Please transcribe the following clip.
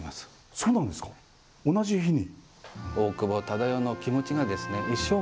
そうなんですか、同じ日に！